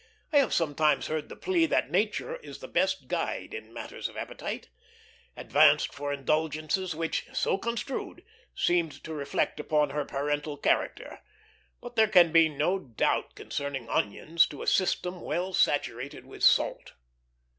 I have sometimes heard the plea, that Nature is the best guide in matters of appetite, advanced for indulgences which, so construed, seemed to reflect upon her parental character; but there can be no such doubt concerning onions to a system well saturated with salt.